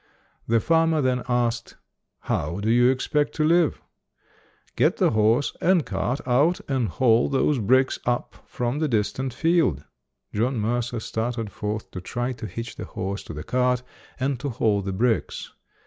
The farmer then asked, "How do you expect to live? Get the horse and cart out and haul those bricks up from the distant field". John Mercer started forth to try to hitch the horse to the cart and to haul the bricks.